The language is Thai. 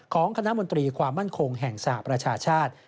ของคณะมนตรีความมั่นคงแห่งสหประชาชาติ